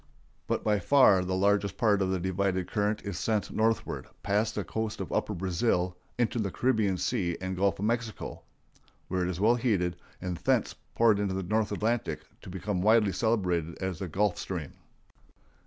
But by far the largest part of the divided current is sent northward, past the coast of upper Brazil into the Caribbean Sea and Gulf of Mexico, where it is well heated, and thence poured into the North Atlantic, to become widely celebrated as the Gulf Stream.